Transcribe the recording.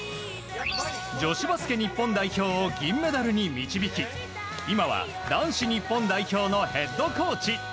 女子バスケ日本代表を銀メダルに導き今は男子日本代表のヘッドコーチ。